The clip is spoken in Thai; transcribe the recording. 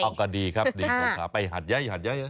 เอาก็ดีครับดีของข้าไปหัดใหญ่หัดใหญ่